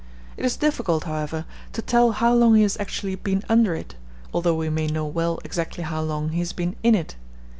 It is difficult, however, to tell how long he has actually been under it, although we may know well exactly how long he has been in it.